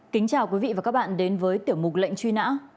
kính chào quý vị và các bạn đến với tiểu mục lệnh truy nã